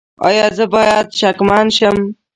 ایا زه باید شکمن شم؟